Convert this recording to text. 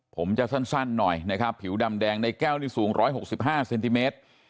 ผมจะสั้นหน่อยนะครับผิวดำแดงในแก้วนี่สูง๑๖๕เซนติเมตร